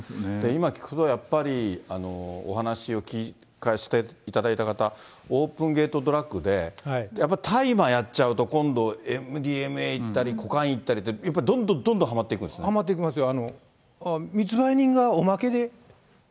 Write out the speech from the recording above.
今聞くと、やっぱりお話を聞かせていただいた方、オープンゲートドラッグでやっぱ大麻やっちゃうと、今度、ＭＤＭＡいったり、コカインいったりってやっぱ、どんどんどんどんはまはまっていきますよ。